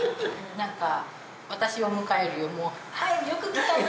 私を迎えるよりも「はいよく来たね」